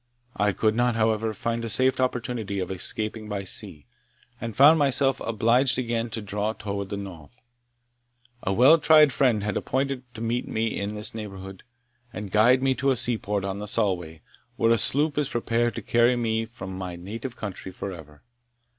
I could not, however, find a safe opportunity of escaping by sea, and found myself obliged again to draw towards the North. A well tried friend has appointed to meet me in this neighbourhood, and guide me to a seaport on the Solway, where a sloop is prepared to carry me from my native country for ever.